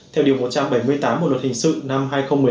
theo điều một trăm bảy mươi tám bộ luật hình sự năm hai nghìn một mươi năm